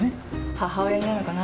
母親似なのかな？